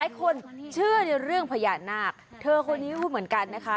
คนเชื่อในเรื่องพญานาคเธอคนนี้ก็เหมือนกันนะคะ